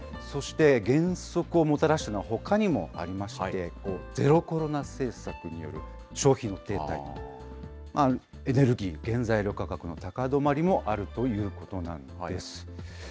そして減速をもたらしたのはほかにもありまして、ゼロコロナ政策による消費の停滞、エネルギー、原材料価格の高止まりもあるということなんです。